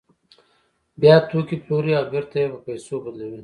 بیا توکي پلوري او بېرته یې په پیسو بدلوي